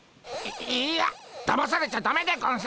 いいやだまされちゃだめでゴンス。